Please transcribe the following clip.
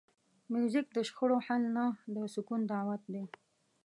موزیک د شخړو حل نه، د سکون دعوت دی.